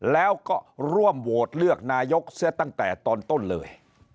แล้วก็ร่วมโหวตเลือกนายกเสียตั้งแต่ตอนต้นเลย